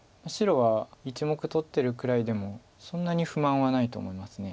白は１目取ってるくらいでもそんなに不満はないと思います。